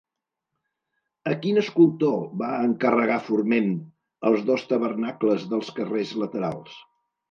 A quin escultor va encarregar Forment els dos tabernacles dels carrers laterals?